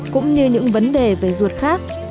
cũng như những vấn đề về ruột khác